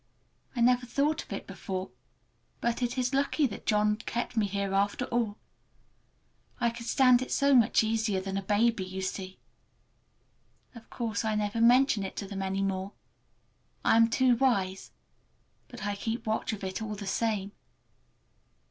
I never thought of it before, but it is lucky that John kept me here after all. I can stand it so much easier than a baby, you see. Of course I never mention it to them any more,—I am too wise,—but I keep watch of it all the same.